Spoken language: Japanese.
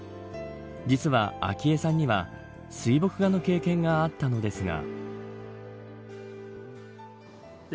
実は、昭恵さんには水墨画の経験があったのですが。